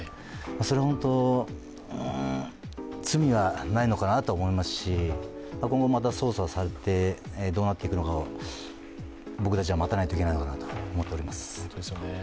それは本当、罪はないのかなと思いますし今後また捜査をされて、どうなっていくのか、僕たちは待たないといけないのかなと思っております。